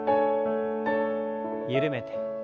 緩めて。